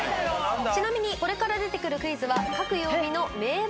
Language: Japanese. ちなみにこれから出てくるクイズは。